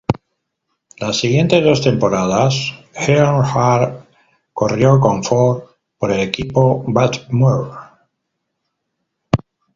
Las siguientes dos temporadas, Earnhardt corrió con Ford por el equipo Bud Moore.